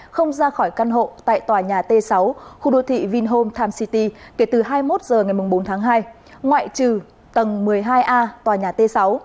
không ra khỏi căn hộ tại tòa nhà t sáu khu đô thị vinhome city kể từ hai mươi một h ngày bốn tháng hai ngoại trừ tầng một mươi hai a tòa nhà t sáu